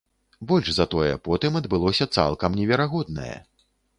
Больш за тое, потым адбылося цалкам неверагоднае.